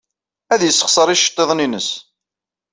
Ad yessexṣer iceḍḍiḍen-nnes.